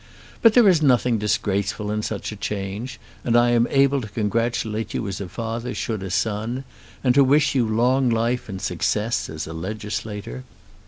But there is nothing disgraceful in such a change, and I am able to congratulate you as a father should a son and to wish you long life and success as a legislator.